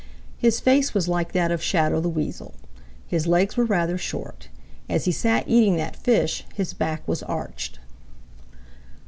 His face was like that of Shadow the Weasel. His legs were rather short. As he sat eating that fish, his back was arched.